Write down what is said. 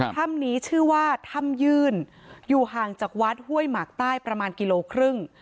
ถ้ำนี้ชื่อว่าถ้ำยื่นอยู่ห่างจากวัดห้วยหมากใต้ประมาณกิโลครึ่ง